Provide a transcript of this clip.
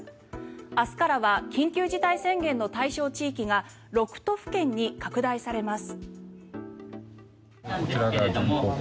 明日からは緊急事態宣言の対象地域が６都府県に拡大されます。